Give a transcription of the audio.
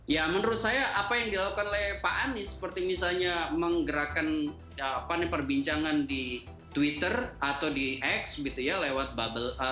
ya menurut saya apa yang dilakukan oleh pak anies seperti misalnya menggerakkan perbincangan di twitter atau di x gitu ya lewat bubble